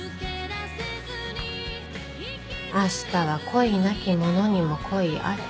明日は恋なきものにも恋あれ。